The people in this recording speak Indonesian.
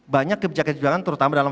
banyak kebijakan terutama dalam